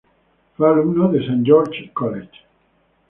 Fue alumno del Saint George's College.